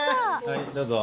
はいどうぞ。